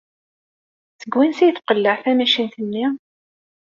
Seg wansi ay tqelleɛ tmacint-nni?